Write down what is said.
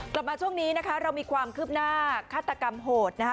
กลับมาช่วงนี้นะคะเรามีความคืบหน้าฆาตกรรมโหดนะคะ